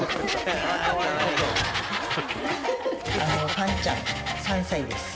パンちゃん３歳です